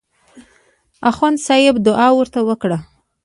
اخندصاحب دعا ورته وکړه.